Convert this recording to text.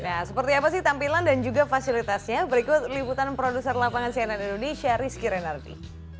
nah seperti apa sih tampilan dan juga fasilitasnya berikut liputan produser lapangan cnn indonesia rizky renardi